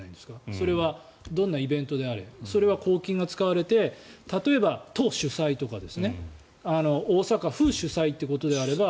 それはどんなイベントであれそれは公金が使われて例えば、都主催とか大阪府主催ということであれば。